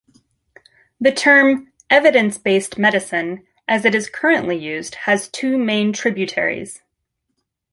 The term "evidence-based medicine", as it is currently used, has two main tributaries.